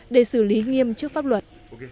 để xử lý nghiêm trước pháp luật